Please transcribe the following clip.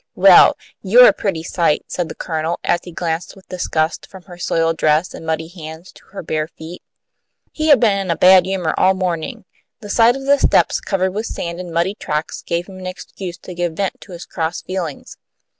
"Well, you're a pretty sight!" said the Colonel, as he glanced with disgust from her soiled dress and muddy hands to her bare feet. He had been in a bad humour all morning. The sight of the steps covered with sand and muddy tracks gave him an excuse to give vent to his cross feelings.